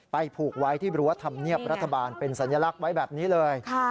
ผูกไว้ที่รั้วธรรมเนียบรัฐบาลเป็นสัญลักษณ์ไว้แบบนี้เลย